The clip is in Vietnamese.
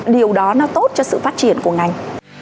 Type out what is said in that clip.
điều đó nó tốt cho sự phát triển của ngành